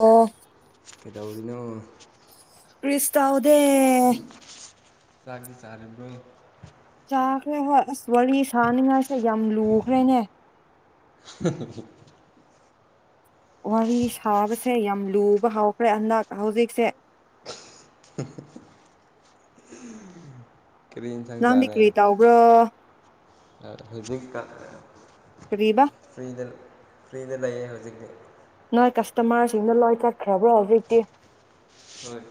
ꯑꯣ ꯀꯩꯗꯧꯔꯤꯅꯣ ꯀ꯭ꯔꯤꯁꯨ ꯇꯧꯗꯦ ꯆꯥꯥꯛꯇꯤ ꯆꯥꯔꯕ꯭ꯔꯣ ꯆꯥꯈ꯭ꯔꯦ ꯍꯣꯏ ꯑꯁ ꯋꯥꯔꯤ ꯁꯥꯅꯤꯡꯉꯥꯏꯁꯦ ꯌꯥꯝ ꯂꯨꯈ꯭ꯔꯦꯅꯦ [unintelligible] ꯋꯥꯔꯤ ꯁꯥꯕꯁꯦ ꯌꯥꯝ ꯂꯨꯕ ꯍꯧꯎꯈ꯭ꯔꯦ ꯍꯟꯗꯛ ꯍꯧꯖꯤꯛꯁꯦ ꯀꯔꯤ ꯏꯟꯁꯥꯡ ꯅꯪꯗꯤ ꯆꯥꯔꯦ ꯀꯔꯤ ꯇꯧꯕ꯭ꯔꯣ [unintelligible] ꯀꯔꯤꯕ ꯐ꯭ꯔꯤꯗ ꯐ꯭ꯔꯤꯗ ꯂꯩꯌꯦ ꯍꯧꯖꯤꯛꯇꯤ ꯅꯣꯏ ꯀꯁꯇꯃꯔꯁꯤꯡꯗꯣ ꯂꯣꯏ ꯆꯠꯈ꯭ꯔꯕ꯭ꯔꯣ ꯍꯧꯖꯤꯛꯇꯤ ꯍꯣꯏ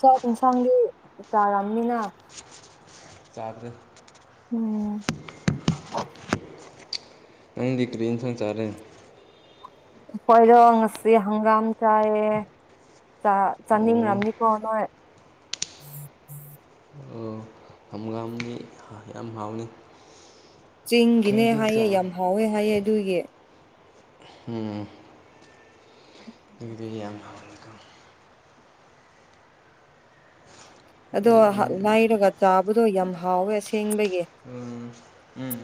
ꯆꯥꯛ ꯏꯟꯁꯥꯡꯒꯤ ꯆꯥꯔꯝꯅꯤꯅ ꯆꯥꯗ꯭ꯔꯤ ꯎꯝ ꯅꯪꯗꯤ ꯀ꯭ꯔꯤ ꯏꯟꯁꯥꯡ ꯆꯥꯔꯦ ꯑꯩꯈꯣꯏꯔꯣ ꯉꯁꯤ ꯍꯪꯒꯥꯝ ꯆꯥꯏꯌꯦ ꯆꯥ ꯑꯣ ꯆꯥꯅꯤꯡꯉꯝꯅꯤꯀꯣ ꯅꯣꯏ ꯍꯣꯏ ꯌꯥꯝ ꯍꯥꯎꯅꯤ ꯆꯤꯡꯒꯤꯅꯦ ꯀꯩꯗꯤ ꯆꯥ ꯍꯥꯏꯌꯦ ꯌꯥꯝ ꯍꯥꯎꯋꯦ ꯍꯥꯏꯌꯦ ꯑꯗꯨꯒꯤ ꯎꯝ [unintelligible] ꯆꯤꯡꯗꯤ ꯌꯥꯝ ꯍꯥꯎꯅꯤꯀꯣ ꯑꯗꯣ ꯂꯩꯔꯒ ꯆꯥꯕꯗꯣ ꯌꯥꯝ ꯍꯥꯎꯋꯦ ꯑꯁꯦꯡꯕꯒꯤ ꯎꯝ ꯎꯝ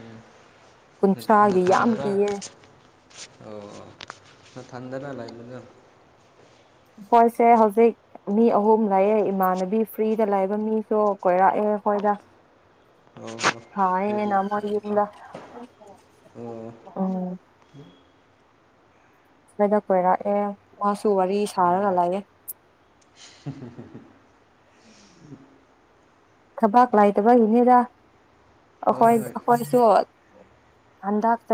ꯀꯨꯟꯊ꯭ꯔꯥꯒꯤ ꯌꯥꯝ ꯅꯊꯟꯗꯔ ꯄꯤꯌꯦ ꯑꯣ ꯅꯊꯟꯗꯇ ꯂꯩꯕꯗꯨ ꯈꯣꯏꯁꯦ ꯍꯧꯖꯤꯛ ꯃꯤ ꯑꯍꯨꯝ ꯂꯩꯌꯦ ꯏꯃꯥꯟꯅꯕꯤ ꯐ꯭ꯔꯤꯗ ꯂꯩꯕ ꯃꯤꯁꯨ ꯀꯣꯏꯔꯛꯑꯦ ꯑꯩꯈꯣꯏꯗ ꯑꯣ ꯑꯗꯨꯗꯤ ꯁꯥꯏꯑꯦꯅꯥ ꯃꯣꯏ ꯐꯩꯀꯣ ꯌꯨꯝꯗ ꯑꯣ ꯎꯝ ꯈꫭꯏꯗ ꯀꯣꯏꯔꯛꯑꯦ ꯃꯥꯁꯨ ꯋꯥꯔꯤ ꯁꯥꯔꯒ ꯂꯩꯌꯦ [unintelligible] ꯊꯕꯛ ꯂꯩꯇꯕꯒꯤꯅꯤꯗ ꯑꯩꯈꯣꯏ ꯍꯣꯏ ꯍꯣꯏ ꯑꯩꯈꯣꯏꯁꯨ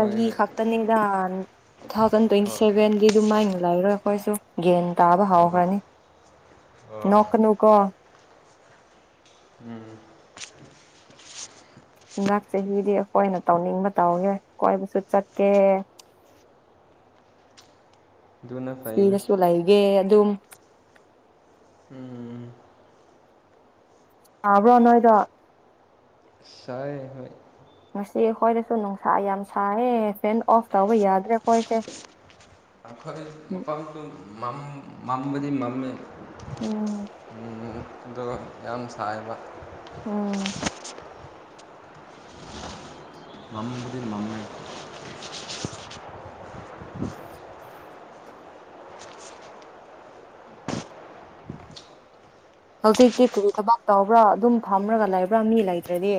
ꯍꯣꯏ ꯍꯣꯏ ꯈꯠꯇꯅꯦꯗ ꯇꯨꯊꯥꯎꯖꯟ ꯇ꯭ꯋꯦꯟꯇꯤ ꯍꯣꯏ ꯁꯦꯚꯦꯟꯗꯤ ꯑꯗꯨꯃꯥꯏꯅ ꯂꯩꯔꯣꯏ ꯑꯩꯈꯣꯏꯁꯨ ꯒꯦꯟ ꯇꯥꯕ ꯑꯥ ꯍꯧꯈ꯭ꯔꯅꯤ ꯑꯥ ꯅꯣꯛꯀꯅꯨꯀꯣ ꯎꯝ ꯍꯤꯟꯗꯛ ꯆꯍꯤꯗꯤ ꯑꯩꯈꯣꯏꯅ ꯇꯧꯅꯤꯡꯕ ꯇꯧꯒꯦ ꯀꯣꯏꯕꯁꯨ ꯆꯠꯀꯦ ꯑꯗꯨꯅ ꯐꯩꯗ ꯐ꯭ꯔꯤꯗꯁꯨ ꯂꯩꯒꯦ ꯑꯗꯨꯝ ꯎꯝ ꯁꯥꯕ꯭ꯔꯥ ꯅꯣꯏꯗ ꯁꯥꯏꯌꯦ ꯍꯣꯏ ꯉꯁꯤ ꯑꯩꯈꯣꯏꯗꯁꯨ ꯅꯨꯡꯁꯥ ꯌꯥꯝ ꯁꯥꯏꯌꯦ ꯐꯦꯟ ꯑꯣꯐ ꯇꯧꯕ ꯌꯥꯗ꯭ꯔꯦ ꯑꯩꯈꯣꯏꯁꯦ [unintelligible] ꯃꯝꯕꯗꯤ ꯃꯝꯃꯦ ꯎꯝ ꯑꯗꯣ ꯌꯥꯝ ꯁꯥꯏꯕ ꯎꯝ ꯃꯝꯕꯨꯗꯤ ꯃꯝꯃꯦ ꯍꯧꯖꯤꯛꯇꯤ ꯀꯔꯤ ꯊꯕꯛ ꯇꯧꯕ꯭ꯔꯥ ꯑꯗꯨꯝ ꯐꯝꯔꯒ ꯂꯩꯕ꯭ꯔꯥ ꯃꯤ ꯂꯩꯇ꯭ꯔꯗꯤ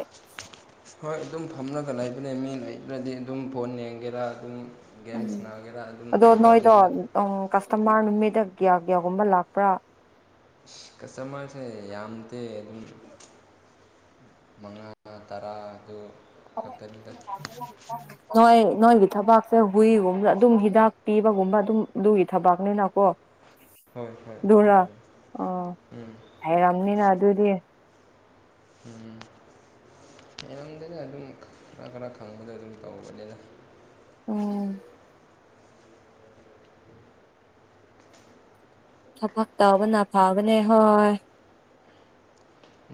ꯍꯣꯏ ꯑꯗꯨꯝ ꯐꯝꯂꯒ ꯂꯩꯕꯅꯦ ꯃꯤ ꯂꯩꯇ꯭ꯔꯗꯤ ꯑꯗꯨꯝ ꯐꯣꯟ ꯌꯦꯡꯒꯦꯔꯥ ꯑꯗꯨꯝ ꯒꯦꯝ ꯁꯅꯥꯒꯦꯔꯥ ꯑꯗꯨꯝ ꯇꯧꯅꯤꯡꯕ ꯎ ꯀꯁꯇꯃꯥꯔ ꯅꯨꯃꯤꯠꯇ ꯒ꯭ꯌꯥ ꯒ꯭ꯌꯥꯒꯨꯝꯕ ꯂꯥꯛꯄ꯭ꯔꯥ ꯀꯁꯇꯃꯔꯁꯦ ꯌꯥꯝꯗꯦ ꯑꯗꯨꯝ ꯃꯉꯥ ꯇꯔꯥ ꯑꯗꯨ ꯈꯛꯇꯅꯤꯗ [unintelligible] ꯅꯣꯏ ꯅꯣꯏꯒꯤ ꯊꯕꯥꯛꯁꯦ ꯍꯨꯏꯒꯨꯝꯕ ꯑꯗꯨꯝ ꯍꯤꯗꯥꯛ ꯄꯤꯕꯒꯨꯝꯕ ꯑꯗꯨꯝ ꯑꯗꯨꯒꯤ ꯊꯕꯥꯛꯅꯤꯅꯀꯣ ꯍꯣꯏ ꯍꯣꯏ ꯑꯗꯨꯔ ꯎꯝ ꯍꯩꯔꯝꯅꯤꯅ ꯑꯗꯨꯗꯤ ꯃꯌꯥꯝꯗꯅ ꯑꯗꯨꯝ ꯈꯔ ꯈꯔ ꯈꯪꯕꯗꯣ ꯑꯗꯨꯝ ꯇꯧꯕꯅꯤꯅ ꯎꯝ ꯊꯕꯥꯛ ꯇꯕꯅ ꯐꯕꯅꯦ ꯍꯣꯏ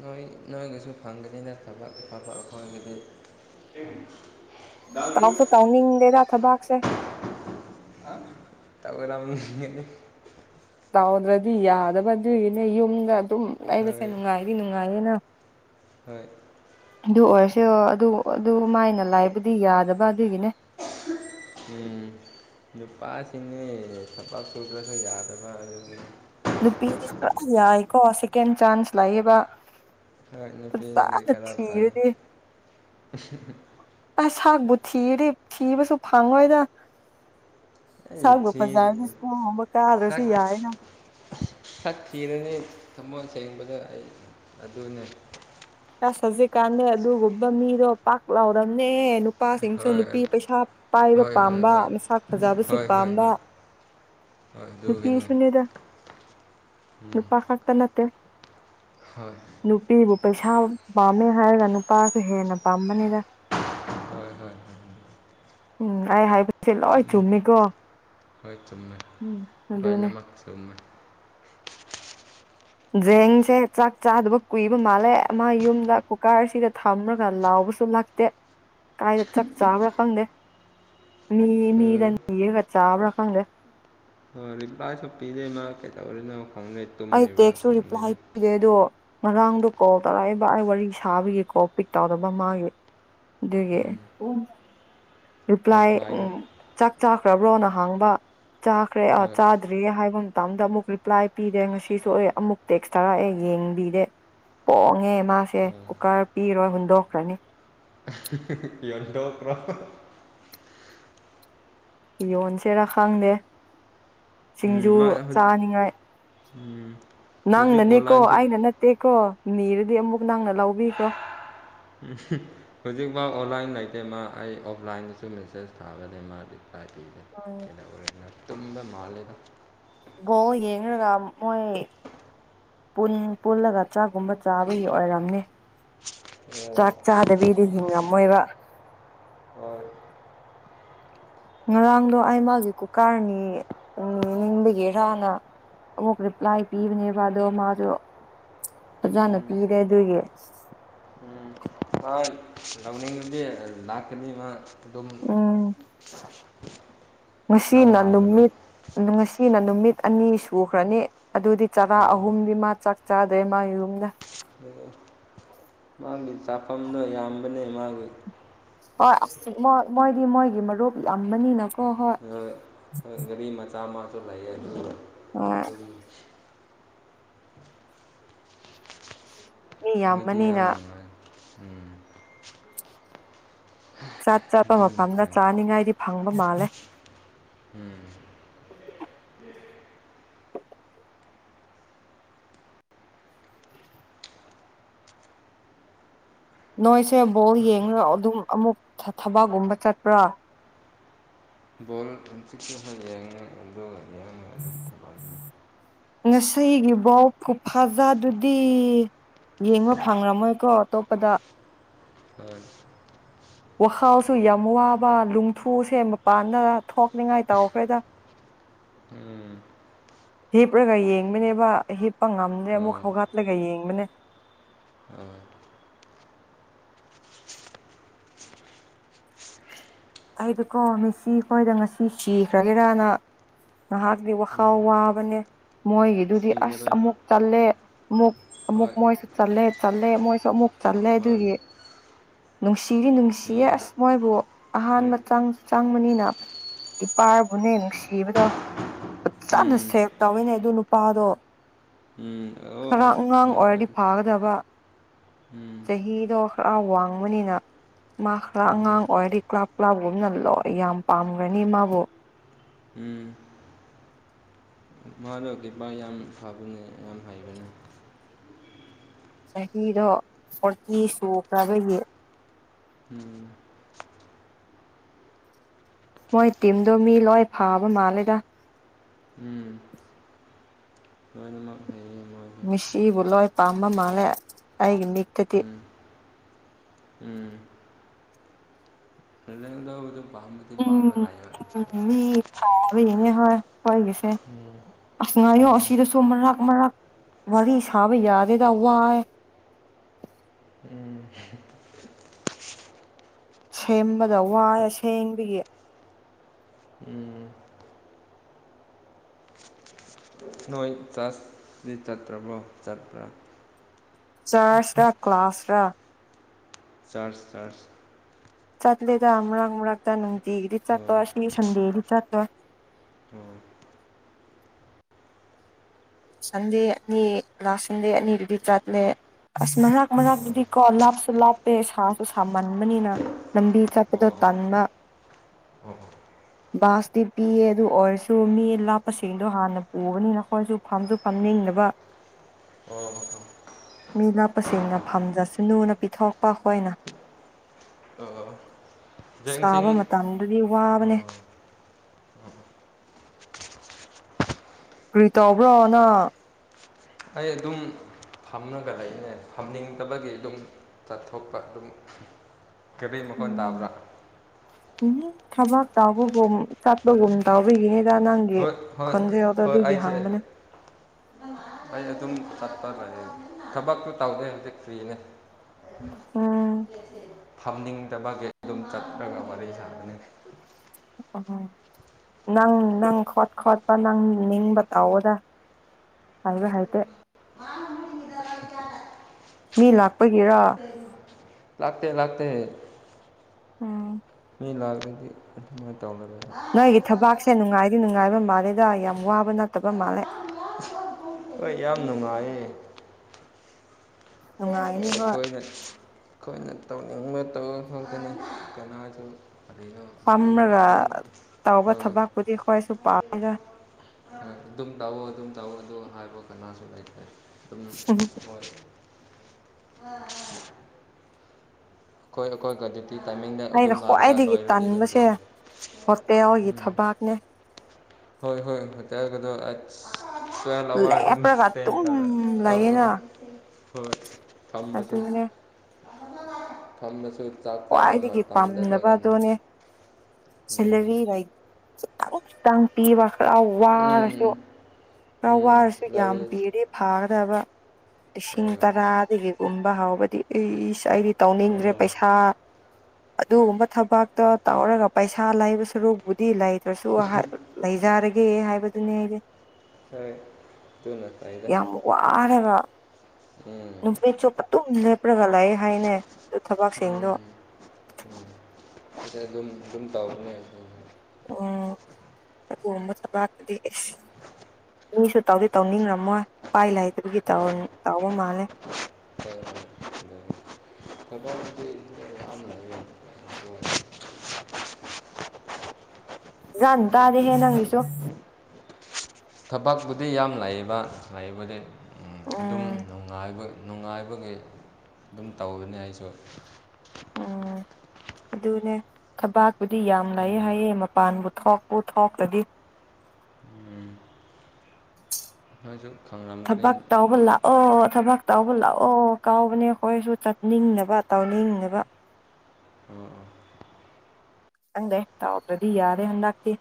ꯅꯣꯏ ꯅꯣꯏꯒꯁꯨ ꯐꯪꯒꯅꯤ ꯅꯠꯇꯕ ꯑꯐꯕ ꯑꯩꯈꯣꯏꯒꯤꯗꯤ ꯇꯥꯎ ꯇꯧꯅꯤꯡꯗꯦꯗ ꯊꯕꯥꯥꯛꯁꯦ ꯇꯅ ꯇꯥꯎꯗ꯭ꯔꯗꯤ ꯌꯥꯗꯕꯗꯨꯏꯅꯦ ꯌꯨꯝꯗ ꯑꯗꯨꯝ ꯂꯩꯕꯁꯦ ꯍꯣꯏ ꯅꯨꯡꯉꯥꯏꯗꯤ ꯅꯨꯡꯉꯥꯏꯌꯦꯅ [unintelligible] ꯍꯣꯏ ꯑꯗꯨ ꯑꯣꯏꯔꯁꯔ ꯑꯗꯨ ꯑꯗꯨ ꯃꯥꯏꯅ ꯂꯥꯏꯕꯨꯗꯤ ꯌꯥꯗꯕ ꯑꯗꯨꯒꯤꯅꯦ ꯎꯝ ꯅꯨꯄꯥꯁꯤꯡꯅꯤ ꯊꯕꯛ ꯁꯨꯗ꯭ꯔꯁꯨ ꯌꯥꯗꯕ ꯑꯗꯨꯗꯤ ꯅꯨꯗꯨꯄꯤꯗꯤ ꯌꯥꯏ ꯀꯣꯁ ꯀꯦꯟ ꯆꯥꯟꯁ ꯂꯥꯛꯌꯦꯕ ꯑꯩꯍꯥꯛ ꯅꯨꯄꯤꯅꯗꯤ ꯈꯔ ꯐꯩ ꯊꯤꯔꯗꯤ ꯑ ꯁꯛꯄꯨ ꯊꯤꯔꯗꯤ ꯊꯤꯕꯁꯨ ꯐꯪꯉꯣꯏꯗ ꯑꯩ ꯁꯒꯣ ꯊꯤ ꯄꯥꯔꯤ ꯁꯀꯨꯕ ꯀꯔꯁꯨ ꯌꯥꯏꯅ ꯁꯛꯊꯤꯔꯅꯤ ꯊꯃꯣꯏ ꯁꯦꯡꯕꯗ ꯑꯩ ꯑꯗꯨꯅꯦ ꯆꯁ ꯆꯠꯁꯤ ꯀꯥꯟꯗ ꯑꯗꯨꯒꯨꯝꯕ ꯃꯤꯗꯣ ꯄꯥꯛ ꯂꯥꯎꯔꯕꯝꯅꯦ ꯅꯨꯄꯥꯁꯤꯡꯁꯨ ꯍꯣꯏ ꯍꯣꯏ ꯅꯨꯄꯤ ꯄꯩꯁꯥ ꯄꯥꯏꯕ ꯍꯣꯏ ꯄꯥꯝꯕ ꯍꯣꯏ ꯃꯁꯥꯛ ꯐꯖꯕꯁꯨ ꯍꯣꯏ ꯍꯣꯏ ꯄꯥꯝꯕ ꯍꯣꯏ ꯍꯣꯏ ꯑꯗꯨꯒꯤꯅꯤ ꯅꯨꯄꯤꯁꯨꯅꯤꯗ ꯎꯝ ꯅꯨꯄꯥ ꯈꯥꯛꯇ ꯅꯠꯇꯦ ꯍꯣꯏ ꯅꯨꯄꯤꯕꯨ ꯄꯩꯁꯥ ꯄꯥꯝꯃꯦ ꯍꯥꯏꯔꯒ ꯅꯨꯄꯥꯁꯨ ꯍꯦꯟꯅ ꯄꯥꯝꯕꯅꯤꯅ ꯍꯣꯏ ꯍꯣꯏ ꯍꯣꯏ ꯎꯝ ꯑꯩ ꯍꯥꯏꯕꯁꯦ ꯂꯣꯏ ꯆꯨꯝꯃꯤ ꯆꯨꯝꯃꯤꯀꯣ ꯍꯣꯏ ꯆꯨꯝꯃꯦ ꯑꯗꯨꯅꯦ ꯂꯣꯏꯅꯃꯛ ꯆꯨꯝꯃꯦ ꯖꯦꯡꯁꯦ ꯆꯥꯛ ꯆꯥꯗꯕ ꯀꯨꯏꯕ ꯃꯥꯜꯂꯦ ꯃꯥ ꯌꯨꯝꯗ ꯀꯨꯀꯥꯔꯁꯤꯗ ꯊꯝꯂꯒ ꯂꯥꯎꯕ ꯁꯨꯂꯥꯛꯇ ꯀꯥꯏꯗ ꯆꯞ ꯆꯥꯕ꯭ꯔꯥ ꯈꯪꯗꯦ ꯃꯤ ꯃꯤꯗ ꯅꯤꯔꯒ ꯆꯥꯕ꯭ꯔꯥ ꯈꯪꯗꯦ ꯍ ꯄꯁꯨꯄꯤꯗꯩ ꯃꯥ ꯀꯩꯇꯧꯕꯔꯤꯅꯛ ꯈꯪꯅꯩ ꯑꯩ ꯇꯦꯛꯁꯁꯨ ꯔꯤꯄ꯭ꯂꯥꯏ ꯄꯤꯔꯦ ꯑꯗꯣ ꯉꯔꯥꯡꯗꯣ ꯀꯣꯜ ꯇꯧꯔꯛꯏꯕ ꯑꯩ ꯋꯥꯔꯤ ꯁꯥꯕꯒꯤꯀꯣ ꯄꯤꯛ ꯇꯧꯗꯕ ꯃꯥꯒꯤ ꯑꯗꯨꯒꯤ ꯔꯤꯄ꯭ꯂꯥꯏ ꯑꯣꯐꯂꯥꯏꯟ ꯎ ꯆꯥꯛ ꯆꯥꯈ꯭ꯔꯕ꯭ꯔꯣ ꯅꯍꯥꯡꯕ ꯆꯥꯈ꯭ꯔꯦ ꯑ ꯍꯣꯏ ꯆꯥꯗ꯭ꯔꯤꯌꯦ ꯍꯥꯏꯕ ꯃꯇꯝꯗ ꯑꯃꯨꯛ ꯔꯤꯄ꯭ꯂꯥꯏ ꯄꯤꯗꯦ ꯉꯁꯤꯁꯨꯑꯦ ꯑꯃꯨꯛ ꯇꯦꯛꯁ ꯊꯥꯔꯛꯑꯦ ꯌꯦꯡꯕꯤꯗꯦ ꯄꯣꯡꯉꯦ ꯃꯥꯁꯦ ꯀꯨꯀꯔ ꯄꯤꯔꯣꯏ ꯍꯨꯟꯗꯣꯛꯈ꯭ꯔꯅꯤ ꯌꯣꯟꯊꯣꯛꯈ꯭ꯔꯣ ꯌꯣꯟꯁꯤꯔꯥ ꯈꯪꯗꯦ ꯎꯝ ꯁꯤꯡꯖꯨ ꯃꯥ ꯆꯥꯅꯤꯡꯉꯥꯏ ꯎꯝ ꯍꯧꯖꯤꯛ ꯅꯪꯅꯅꯦꯀꯣ ꯑꯣꯟꯂꯥꯏꯟꯁꯨ ꯑꯩꯅ ꯅꯠꯇꯦ ꯇꯦꯀꯣ ꯅꯤꯔꯗꯤ ꯑꯃꯨꯛ ꯅꯪꯅ ꯂꯧꯕꯤꯈ꯭ꯔꯣ ꯎ ꯍꯧꯖꯤꯛꯐꯥꯎ ꯑꯣꯟꯂꯥꯏꯟ ꯂꯩꯇꯦ ꯃꯥ ꯑꯩ ꯑꯣꯐꯂꯥꯏꯟꯗꯁꯨ ꯃꯦꯁꯦꯁ ꯊꯥꯒꯅꯤ ꯃꯥꯗꯤ ꯄꯥꯏ ꯄꯤꯒꯦ ꯑꯣ ꯇꯨꯝꯕ ꯃꯥꯜꯂꯦꯗ ꯌꯦꯡꯉꯒ ꯃꯣꯏ ꯄꯨꯜꯂꯒ ꯆꯥꯛꯒꯨꯝꯕ ꯆꯥꯕꯒꯤ ꯑꯣꯏꯔꯝꯅꯤ ꯑꯣ ꯆꯥꯛ ꯆꯥꯗꯕꯤꯗꯤ ꯍꯤꯡꯉꯝꯃꯣꯏꯕ ꯑꯣ ꯉꯔꯥꯡꯗꯣ ꯑꯩ ꯃꯥꯒꯤ ꯀꯨꯀꯥꯔꯅꯤ ꯅꯤꯡꯕꯒꯤꯔꯥꯅ ꯑꯃꯨꯛ ꯔꯤꯄ꯭ꯂꯥꯏ ꯄꯤꯕꯅꯦꯕ ꯑꯗꯣ ꯃꯥꯁꯨ ꯐꯖꯥꯅ ꯎꯝ ꯄꯤꯔꯦ ꯑꯗꯨꯒꯤ ꯎꯝ ꯍꯥꯏ ꯂꯧꯅꯤꯡꯕꯗꯤ ꯂꯥꯛꯀꯅꯤ ꯃꯥ ꯑꯗꯨꯝ ꯎꯝ ꯅꯪ ꯉꯁꯤꯅ ꯍꯥꯏꯒꯅꯨ ꯅꯨꯃꯤꯠ ꯉꯁꯤꯅ ꯅꯨꯃꯤꯠ ꯑꯅꯤ ꯁꯨꯈ꯭ꯔꯅꯤ ꯑꯗꯨꯗꯤ ꯆꯔꯥ ꯑꯣ ꯑꯍꯨꯝꯗꯤ ꯃꯥ ꯆꯥꯛ ꯆꯥꯗ꯭ꯔꯦ ꯃꯥ ꯌꯨꯝꯗ [unintelligible] ꯃꯥꯒꯤ ꯆꯥꯐꯝꯗꯣ ꯌꯥꯝꯕꯅꯦ ꯃꯥꯒꯤ ꯍꯣꯏ [unintelligible] ꯃꯃꯣꯏ ꯃꯣꯏꯗꯤ ꯃꯣꯏꯒꯤ ꯃꯔꯨꯞ ꯌꯥꯝꯕꯅꯤꯅꯀꯣ ꯍꯣꯏ꯫ ꯒꯥꯔꯣ ꯃꯆꯥ ꯃꯥꯁꯨ ꯂꯩꯌꯦ꯫ [unintelligible] ꯑꯗꯨꯝ ꯃꯤ ꯃꯣꯏꯗꯤ ꯌꯥꯝ ꯌꯥꯝꯕꯅꯤꯅ ꯅꯨꯡꯉꯥꯏ ꯎꯝ꯫ ꯆꯥꯠ ꯆꯥꯄ ꯑꯗꯨꯅ ꯃꯐꯝꯗ ꯐꯩ ꯆꯥꯅꯤꯡꯉꯥꯏꯗꯤ ꯐꯪꯕ ꯃꯥꯜꯂꯦ꯫ ꯎꯝ꯫ [unintelligible] ꯅꯣꯏꯁꯦ ꯕꯣ ꯌꯦꯡꯉꯒ ꯑꯗꯨꯝ ꯑꯃꯨꯛ ꯊ ꯊꯕꯛꯒꯨꯝꯕ ꯆꯠꯄ꯭ꯔꯥ꯫ ꯕꯣꯜ [unintelligible] ꯌꯦꯡꯉꯦ [unintelligible] ꯉꯁꯤꯒꯤ ꯕꯣꯜ ꯈꯨꯐꯖꯥꯗꯨꯗꯤ꯫ ꯌꯦꯡꯕ ꯐꯪꯔꯝꯃꯣꯏꯀꯣ ꯑꯇꯣꯞꯄꯗ꯫ ꯎꯝ ꯋꯥꯈꯥꯜꯁꯨ ꯌꯥꯝ ꯋꯥꯕ ꯂꯨꯡꯊꯨ ꯁꯦ ꯃꯄꯥꯟꯗ ꯊꯣꯛꯅꯤꯡꯉꯥꯏ ꯇꯥꯎꯈ꯭ꯔꯦꯗ꯫ [unintelligible] ꯎꯝ ꯍꯤꯞꯂꯔꯒ ꯌꯦꯡꯕꯅꯦꯕ ꯍꯤꯞꯄ ꯉꯝꯗ꯭ꯔꯦ ꯑꯃꯨꯛ ꯍꯣꯏ ꯍꯧꯒꯠꯂꯒ ꯌꯦꯡꯕꯅꯦ꯫ ꯍꯣꯏ ꯑꯩꯗꯣꯀꯣ ꯃꯦꯁꯤ ꯑꯩꯈꯣꯏꯗ ꯉꯁꯤ ꯆꯤꯈ꯭ꯔꯒꯦꯔꯅ ꯉꯍꯥꯛꯇꯤ ꯋꯥꯈꯥꯜ ꯎꯝ ꯋꯥꯕꯅꯦ ꯃꯣꯏꯒꯤꯗꯨꯗꯤ ꯑꯁ ꯁꯤꯔꯔꯣꯏ ꯑꯃꯨꯛ ꯆꯠꯂꯦ ꯃꯨꯛ ꯑꯃꯨꯛ ꯍꯣꯏ ꯃꯣꯏꯁꯨ ꯆꯜꯂꯦ ꯆꯠꯂꯦ ꯃꯣꯏꯁꯨ ꯑꯃꯨꯛ ꯆꯠꯂꯦ ꯍꯣꯏ ꯑꯗꯨꯒꯤ ꯅꯨꯡꯁꯤꯔꯤ ꯅꯨꯡꯁꯤꯌꯦ ꯎꯝ ꯑꯁ ꯃꯣꯏꯕꯨ ꯍꯣꯏ ꯑꯍꯥꯟꯕ ꯆꯥꯡ ꯆꯥꯡꯕꯅꯤꯅ ꯏꯄꯥꯕꯨꯅꯦ ꯅꯨꯡꯁꯤꯕꯗꯣ꯫ ꯐꯖꯅ ꯁꯦꯞ ꯇꯧꯋꯤꯅꯦ ꯑꯗꯨ ꯅꯨꯄꯥꯗꯣ ꯈꯔ ꯑꯉꯥꯡ ꯑꯣꯏꯔꯗꯤ ꯐꯥꯒꯗꯕ ꯆꯍꯤꯗꯣ ꯈꯔ ꯋꯥꯡꯕꯅꯤꯅ ꯃꯥ ꯈꯔ ꯑꯉꯥꯡ ꯑꯣꯏꯔꯗꯤ ꯀ꯭ꯂꯥꯞ ꯀ꯭ꯂꯥꯞꯒꯨꯝꯅ ꯂꯣꯏ ꯌꯥꯝ ꯄꯥꯝꯒ꯭ꯔꯅꯤ ꯃꯥꯕꯨ ꯎꯝ ꯃꯥꯗꯣ ꯀꯤꯄꯥ ꯌꯥꯝ ꯐꯕꯅꯦ ꯌꯥꯝ ꯍꯩꯕꯅꯦ ꯆꯍꯤꯗꯣ ꯐꯣꯔꯇꯤ ꯁꯨꯈ꯭ꯔꯕꯒꯤ ꯎꯝ ꯃꯣꯏ ꯇꯤꯝꯗꯣ ꯃꯤ ꯂꯣꯏ ꯐꯕ ꯃꯥꯜꯂꯦꯗ ꯎꯝ ꯂꯣꯏꯅꯃꯛ ꯐꯩꯌꯦ ꯃꯣꯏ ꯃꯤꯁꯤꯕꯨ ꯂꯣꯏ ꯄꯥꯝꯕ ꯃꯥꯜꯂꯦ ꯑꯩꯒꯤ ꯃꯤꯠꯇꯗꯤ ꯎꯝ ꯐꯦꯂꯦꯡꯗꯣ ꯑꯗꯨ ꯄꯥꯝꯃꯦ ꯎꯝ ꯎꯝ ꯃꯤ ꯊꯥꯕ ꯌꯦꯡꯉꯦ ꯍꯣꯏ ꯑꯩꯈꯣꯏꯒꯤꯁꯦ ꯑꯁ ꯉꯥꯏꯌꯣ ꯑꯁꯤꯗꯁꯨ ꯃꯔꯛ ꯃꯔꯛ ꯋꯥꯔꯤ ꯁꯥꯕ ꯌꯥꯗꯦꯗ ꯋꯥꯏ ꯎꯝ ꯁꯦꯝꯕꯗ ꯋꯥꯌꯦ ꯑꯁꯦꯡꯕꯒꯤ ꯎꯝ ꯇꯨ ꯆ꯭ꯁꯗꯤ ꯆꯠꯇ꯭ꯔꯕꯣ ꯆꯠꯄ꯭ꯔꯥ ꯆ꯭ꯔꯁ ꯔ ꯀ꯭ꯂꯥꯁ ꯔ ꯆ꯭ꯔꯁ ꯆ꯭ꯔꯁ ꯆꯠꯂꯦꯗ ꯃꯔꯛ ꯃꯔꯛꯇ ꯅꯨꯡꯇꯤꯒꯤꯗꯤ ꯆꯠꯄ ꯑꯣ ꯁꯤ ꯁꯟꯗꯦꯗꯤ ꯆꯠꯂꯣꯏ ꯑꯣ ꯁꯟꯗꯦ ꯑꯅꯤ ꯂꯥꯁ ꯁꯟꯗꯦ ꯑꯅꯤꯗꯨꯗꯤ ꯆꯠꯂꯦ ꯑꯁ ꯃꯔꯛ ꯃꯔꯛꯇꯗꯤ ꯀꯣ ꯂꯥꯞꯁꯨ ꯂꯥꯞꯄꯦ ꯁꯥꯁꯨ ꯁꯥꯃꯟꯕꯅꯤꯅ ꯂꯝꯕꯤ ꯆꯠꯄꯗꯣ ꯇꯟꯕ ꯑꯣ ꯑꯣ ꯕꯥꯁꯇꯤ ꯄꯤꯌꯦ ꯑꯗꯨ ꯑꯣꯏꯔꯁꯨ ꯃꯤ ꯂꯥꯞꯄꯁꯤꯡꯗꯣ ꯍꯥꯟꯅ ꯄꯨꯕꯅꯤꯅ ꯑꯈꯣꯏꯁꯨ ꯐꯝꯖꯨ ꯐꯝꯅꯤꯡꯗꯕ ꯑꯣ ꯃꯤ ꯂꯥꯞꯄꯁꯤꯡꯅ ꯐꯝꯖꯁꯅꯨꯅ ꯄꯤꯊꯣꯛꯄ ꯑꯩꯈꯣꯏꯅ ꯑ ꯑ ꯑ ꯁꯥꯕ ꯃꯇꯝꯗꯨꯗꯤ ꯋꯥꯕꯅꯦ ꯀꯔꯤ ꯇꯧꯕ꯭ꯔꯣ ꯅꯪ ꯑꯩ ꯑꯗꯨꯝ ꯐꯝꯔꯒ ꯂꯩꯕꯅꯦ ꯐꯝꯅꯤꯡꯗꯕꯒꯤ ꯗꯨꯝ ꯆꯠꯊꯣꯛꯄ ꯑꯗꯨꯝ ꯀꯦꯕꯤ ꯃꯈꯣꯟ ꯎꯝ ꯇꯥꯕ꯭ꯔꯥ ꯎꯝꯍꯨꯝ ꯊꯕꯛ ꯇꯧꯕꯒꯨꯝ ꯆꯠꯄꯒꯨꯝ ꯇꯧꯕꯒꯤꯅꯤꯗ ꯅꯪꯒꯤ ꯍꯣꯏ ꯍꯣꯏ ꯈꯣꯟꯖꯦꯜꯗꯣ ꯍꯣꯏ ꯑꯗꯨꯒꯤ ꯑꯩꯁꯦ ꯍꯪꯕꯅꯦ ꯑꯩ ꯑꯗꯨꯝ ꯆꯠꯄ ꯂꯩꯌꯦ ꯊꯕꯛꯇꯨ ꯇꯧꯗꯦ ꯍꯧꯖꯤꯛ ꯐ꯭ꯔꯤꯅꯦ ꯎꯝ ꯐꯝꯅꯤꯡꯗꯕꯒꯤ ꯑꯗꯨꯝ ꯆꯠꯔꯒ ꯋꯥꯔꯤ ꯁꯥꯕꯅꯦ ꯑꯣꯍꯣ ꯅꯪ ꯅꯪ ꯈꯣꯠ ꯈꯣꯠꯄ ꯅꯪ ꯅꯤꯡꯕ ꯇꯧꯑꯣꯗ ꯍꯥꯏꯔꯣꯏ ꯍꯥꯏꯇꯦ ꯃꯤ ꯂꯥꯛꯄꯒꯤꯔꯣ [unintelligible] ꯂꯥꯛꯇꯦ ꯂꯥꯛꯇꯦ ꯎꯝ ꯃꯤ ꯂꯥꯛꯔꯗꯤ ꯑꯗꯨꯃꯥꯏ ꯇꯧꯔꯔꯣꯏ ꯒꯤ ꯅꯨꯡꯉꯥꯏꯕ ꯃꯥꯜꯂꯦꯗ ꯌꯥꯝ ꯋꯥꯕ ꯅꯠꯇꯕ ꯃꯥꯜꯂꯦ ꯍꯣꯏ ꯌꯥꯝ ꯅꯨꯡꯉꯥꯏꯌꯦ ꯅꯨꯡꯉꯥꯏꯅꯤ [unintelligible] ꯍꯣꯏ ꯑꯈꯣꯏꯅ ꯑꯈꯣꯏꯅ ꯇꯧꯅꯤꯡꯕ ꯇꯧꯋꯣ ꯈꯛꯇꯅꯤ ꯀꯅꯥꯁꯨ ꯀꯔꯤꯅꯣ ꯗꯨꯝ ꯐꯝꯔꯒ ꯗꯨꯝ ꯇꯧꯕ ꯊꯕꯛꯄꯨꯗꯤ ꯑꯩꯈꯣꯏꯁꯨ ꯊꯣꯔꯛꯑꯣ ꯄꯥꯝꯃꯤꯗ ꯑꯗꯨꯝ ꯇꯧꯑꯣ ꯑꯗꯨꯝ ꯇꯧꯑꯣ ꯑꯗꯣ ꯍꯥꯏꯕ ꯀꯅꯥꯁꯨ ꯂꯩꯇ꯭ꯔꯦ ꯑꯗꯨꯝ ꯍꯣꯏ [unintelligible] ꯑꯈꯣꯏ ꯑꯈꯣꯏ ꯒꯗꯤ ꯁꯤ ꯇꯥꯏꯃꯤꯡꯗ ꯑꯩꯅ ꯑꯗꯨꯝ ꯅꯥꯔꯒ ꯈ꯭ꯋꯥꯏꯗꯒꯤ ꯂꯣꯏꯔꯗꯤ ꯑꯗꯨꯝ ꯆꯦ ꯇꯟꯕꯁꯦ ꯍꯣꯇꯦꯜꯒꯤ ꯎꯝ ꯊꯕꯥꯛꯅꯦ ꯍꯣꯏ ꯍꯣꯏ [unintelligible] [unintelligible] ꯑꯗꯨꯝ ꯂꯦꯞꯄ꯭ꯔꯒ ꯁꯄꯦꯟ ꯑꯗꯨꯝ ꯇꯧꯋꯦ ꯑꯑꯑ ꯂꯩꯌꯦꯅ ꯐꯣꯏ ꯊꯝꯕꯁꯤ ꯑꯗꯨꯅꯦ ꯐꯝꯃꯁꯨ ꯆꯥꯛ ꯆꯥꯕ ꯈ꯭ꯋꯥꯏꯗꯒꯤ ꯃꯇꯝꯗꯗꯒꯅꯤ ꯎꯝ ꯁꯤꯂꯔꯤꯑꯣꯏ ꯈꯤꯇꯥꯪ ꯈꯤꯇꯪ ꯄꯤꯕ ꯈꯔ ꯎꯝ ꯋꯥꯔꯁꯨ꯫ ꯈꯔ ꯎꯝ ꯋꯥꯔꯁꯨ ꯌꯥꯝ ꯂꯥꯏꯔꯤꯛ ꯄꯤ ꯔꯤ ꯐꯥꯒꯗꯕ ꯂꯤꯁꯤꯡ ꯇꯔꯥꯗꯒꯤꯒꯨꯝꯕ ꯍꯥꯎꯕꯗꯤ ꯏꯁ ꯑꯩꯗꯤ ꯇꯧꯅꯤꯡꯗ꯭ꯔꯦ ꯄꯩꯁꯥ ꯑꯗꯨꯒꯨꯝꯕ ꯊꯕꯛꯇꯣ ꯇꯧꯔꯒ ꯄꯩꯁꯥ ꯂꯩꯕ ꯁꯔꯨꯛ ꯕꯨꯗꯤ ꯂꯩꯇ꯭ꯔꯁꯨ ꯍꯥ ꯂꯩꯖꯔꯒꯦ ꯍꯥꯏꯕꯗꯨꯅꯦ ꯑꯩꯗꯤ꯫ ꯐꯩ ꯇꯨꯅ ꯌꯥꯝ ꯋꯥꯔꯒ ꯎꯝ ꯅꯨꯃꯤꯠꯁꯨꯄ ꯇꯨꯝ ꯂꯦꯞꯔꯒ ꯂꯩ ꯍꯥꯏꯅꯦ꯫ ꯑꯗꯨ ꯊꯕꯛꯁꯤꯡꯗꯣ [unintelligible] ꯗꯨꯝ ꯗꯨꯝ ꯇꯧꯕꯅꯦ ꯎꯝ ꯑꯗꯨꯒꯨꯝꯕ ꯊꯕꯛꯇꯨꯗꯤ ꯏꯁ ꯃꯤꯁꯨ ꯇꯧꯗꯤ ꯇꯧꯅꯤꯡꯉꯝꯃꯣꯏ ꯄꯥꯥꯏ ꯂꯥꯏꯇꯕꯒꯤ ꯍꯣꯏ ꯇꯧ ꯇꯧꯕ ꯃꯥꯜꯂꯦ꯫ [unintelligible] ꯀꯗꯥꯥꯎꯗꯤ ꯃꯤ ꯌꯥꯝ ꯂꯩ [unintelligible] ꯖꯥꯝ ꯑꯗꯦ ꯍꯦ ꯅꯪꯒꯤꯁꯦ ꯊꯕꯛꯄꯨꯗꯤ ꯌꯥꯝ ꯂꯩꯌꯦꯕ ꯂꯩꯕꯗꯤ ꯎꯝ ꯑꯗꯨꯝ ꯅꯨꯡꯉꯥꯏꯕ ꯅꯨꯡꯉꯥꯏꯕꯒꯤ ꯑꯗꯨꯝ ꯇꯧꯕꯅꯤ ꯑꯩꯁꯦ꯫ ꯎꯝ ꯑꯗꯨꯅꯦ ꯊꯕꯥꯛꯄꯨꯗꯤ ꯌꯥꯝ ꯂꯩ ꯍꯥꯏꯌꯦ ꯃꯄꯥꯟꯕꯨ ꯊꯣꯛꯄꯨ ꯊꯣꯛꯇ꯭ꯔꯗꯤ꯫ ꯎꯝ [unintelligible] ꯊꯕꯛ ꯇꯥꯎꯕꯜꯂ ꯑꯣ ꯊꯕꯛ ꯇꯥꯎꯕ ꯂꯥꯛꯑꯣ ꯀꯥꯎꯕꯅꯦ ꯑꯩꯈꯣꯏꯁꯨ ꯆꯠꯅꯤꯡꯅꯕ ꯇꯥꯎꯅꯤꯡꯅꯕ ꯍꯪꯗꯦ ꯇꯥꯎꯕ꯭ꯔꯗꯤ ꯌꯥꯔꯦ ꯍꯟꯥꯛꯇ